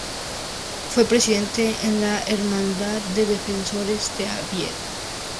Fue presidente de la Hermandad de Defensores de Oviedo.